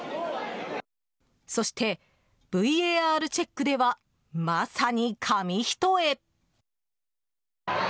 そして、ＶＡＲチェックではまさに紙一重。